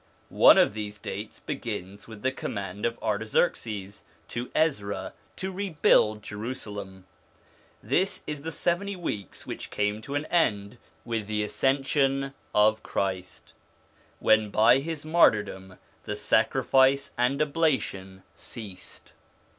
One of these dates begins with the command of Artaxerxes to Ezra to rebuild Jerusalem; this is the seventy weeks which came to an end with the ascension of Christ, when by his martyrdom the sacrifice and oblation ceased.